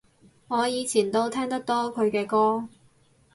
我以前都聽得多佢嘅歌